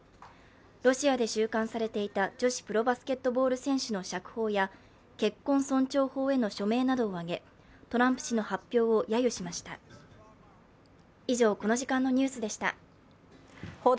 ロシアで収監されていた女子プロバスケットボール選手の釈放や結婚尊重法への署名などを挙げトランプ氏の発表をやゆしました。